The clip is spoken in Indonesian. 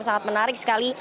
sangat menarik sekali